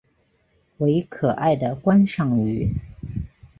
为可爱的观赏鱼。